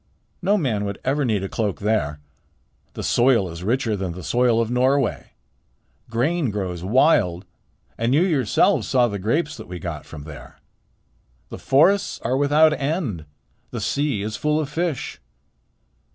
"No man would ever need a cloak there. The soil is richer than the soil of Norway. Grain grows wild, and you yourselves saw the grapes that we got from there. The forests are without end. The sea is full of fish."